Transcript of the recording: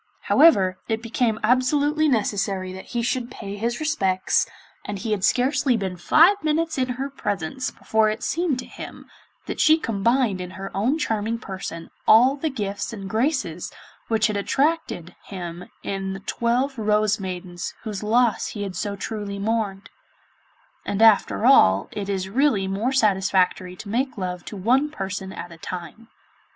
However, it became absolutely necessary that he should pay his respects, and he had scarcely been five minutes in her presence before it seemed to him that she combined in her own charming person all the gifts and graces which had so attracted him in the twelve Rose maidens whose loss he had so truly mourned; and after all it is really more satisfactory to make love to one person at a time.